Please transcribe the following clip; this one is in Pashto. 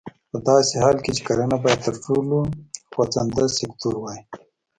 په داسې حال کې چې کرنه باید تر ټولو خوځنده سکتور وای.